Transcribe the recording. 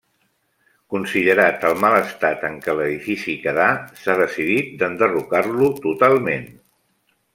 Considerat el mal estat en què l'edifici quedà, s'ha decidit d'enderrocar-lo totalment.